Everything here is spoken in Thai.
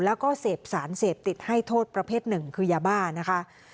แล้วก็เสพสารเสพติดให้โทษประเภทหนึ่งคือยาบ้านะคะ